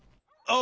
あ！